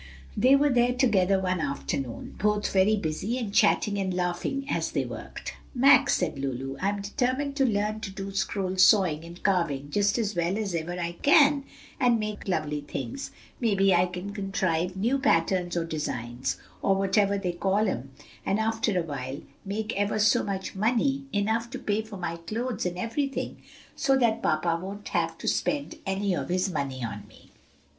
They were there together one afternoon, both very busy and chatting and laughing as they worked. "Max," said Lulu, "I'm determined to learn to do scroll sawing and carving just as well as ever I can, and make lovely things! Maybe I can contrive new patterns or designs, or whatever they call 'em, and after a while make ever so much money, enough to pay for my clothes and everything, so that papa won't have to spend any of his money on me."